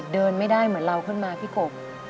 เดินไม่ได้เหมือนเราขึ้นมาพี่กบ